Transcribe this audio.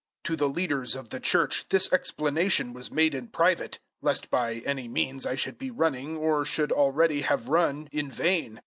To the leaders of the Church this explanation was made in private, lest by any means I should be running, or should already have run, in vain.